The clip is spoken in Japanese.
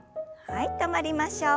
はい。